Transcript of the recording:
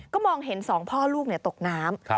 ก็มองเห็นสองพ่อลูกตกน้ำ